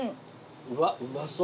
うわうまそう。